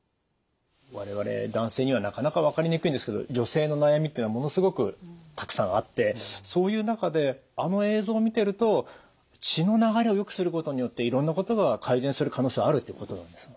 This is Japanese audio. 我々男性にはなかなか分かりにくいんですけど女性の悩みっていうのはものすごくたくさんあってそういう中であの映像を見てると血の流れをよくすることによっていろんなことが改善する可能性はあるっていうことなんですか。